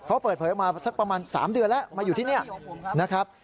เขาเปิดเผยมาสักประมาณ๓เดือนแล้วมาอยู่ที่นี่นะครับ